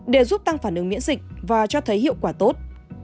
để giúp tăng phản ứng miễn dịch và cho thấy hiệu quả tốt